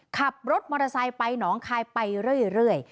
ขับรถมอเตอร์ไซค์ไปหนองคายไปเรื่อย